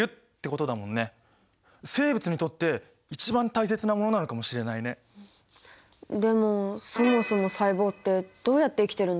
生物にとって一番大切なものなのかもしれないね。でもそもそも細胞ってどうやって生きてるんだろう？